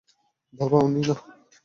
বাবা, ওনি মা।